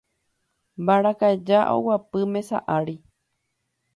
Mbarakaja oguapy mesa ári.